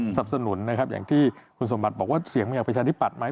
สับสนุนนะครับอย่างที่คุณสมบัติบอกว่าเสียงมาจากประชาธิปัตยไหม